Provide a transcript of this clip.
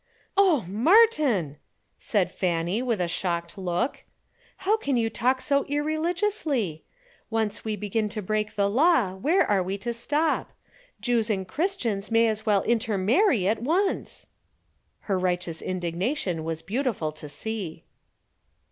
"Oh! Martin," said Fanny with a shocked look. "How can you talk so irreligiously? Once we begin to break the law where are we to stop? Jews and Christians may as well intermarry at once." Her righteous indignation was beautiful to see.